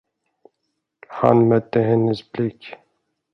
Han mötte hennes blick.